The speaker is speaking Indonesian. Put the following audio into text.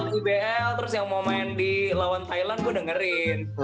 gue nonton ya soal ibl terus yang mau main di lawan thailand gue dengerin